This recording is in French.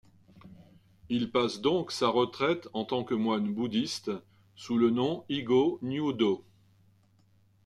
Il passe donc sa retraite en tant que moine bouddhiste, sous le nom Higo-Nyūdo.